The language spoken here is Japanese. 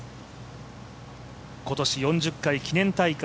今年４０回記念大会